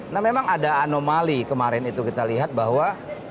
nah memang ada anomali kemarin itu kita lihat bahwa